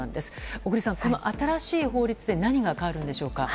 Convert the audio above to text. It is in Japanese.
小栗さん、この新しい法律で何が変わるんでしょうか。